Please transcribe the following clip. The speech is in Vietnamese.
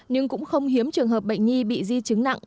nhưng cũng không hiếm trường hợp bệnh nhi bị di chứng nặng